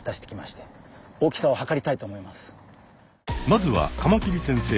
まずはカマキリ先生